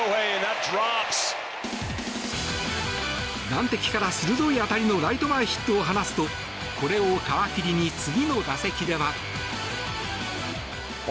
難敵から鋭い当たりのライト前ヒットを放つとこれを皮切りに次の打席では。